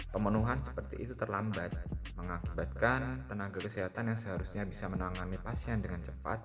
pemenuhan seperti itu terlambat mengakibatkan tenaga kesehatan yang seharusnya bisa menangani pasien dengan cepat